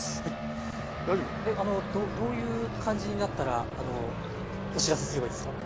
大丈夫？どういう感じになったらお知らせすればいいですか？